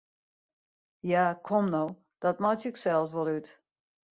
Ja, kom no, dat meitsje ik sels wol út!